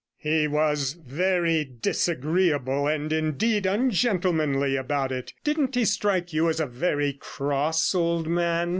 'He was very disagreeable, and indeed ungentlemanly, about it; didn't he strike you as a very cross old man?'